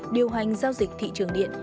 điều hành giao dịch thị trường điện